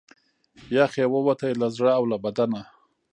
یخ یې ووتی له زړه او له بدنه